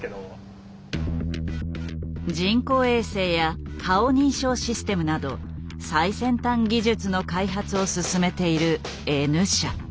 人工衛星や顔認証システムなど最先端技術の開発を進めているＮ社。